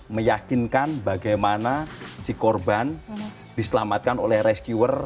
meyakinkan bagaimana si korban diselamatkan oleh rescuer